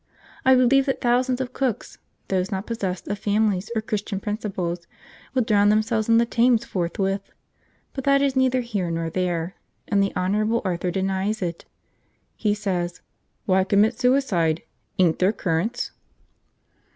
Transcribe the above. I believe that thousands of cooks, those not possessed of families or Christian principles, would drown themselves in the Thames forthwith, but that is neither here nor there, and the Honourable Arthur denies it. He says, "Why commit suicide? Ain't there currants?"